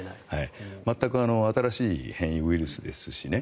全く新しい変異ウイルスですしね